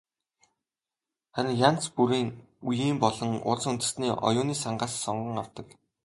Харин янз бүрийн үеийн болон улс үндэстний оюуны сангаас сонгон авдаг.